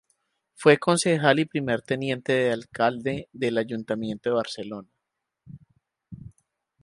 Fue concejal y primer teniente de alcalde del Ayuntamiento de Barcelona.